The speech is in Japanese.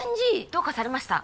どうかされました？